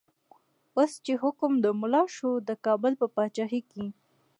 اوس چه حکم د ملا شو، دکابل په پاچایی کی